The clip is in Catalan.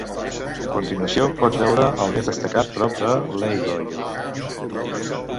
A continuació pots veure el més destacat prop de Leiloio.